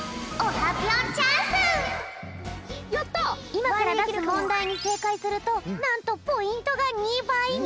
いまからだすもんだいにせいかいするとなんとポイントが２ばいになるよ！